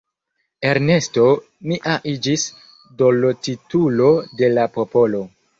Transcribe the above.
Ernesto nia iĝis dorlotitulo de la popolo.